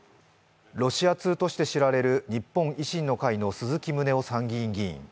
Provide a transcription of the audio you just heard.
ロシア通として知られる日本維新の会の鈴木宗男参議院議員。